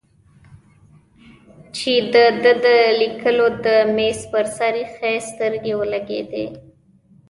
چې د ده د لیکلو د مېز پر سر ایښی و سترګې ولګېدې.